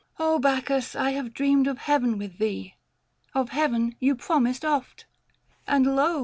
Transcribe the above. Bacchus I have dreamed Of heaven with thee — of heaven you promised oft ! And lo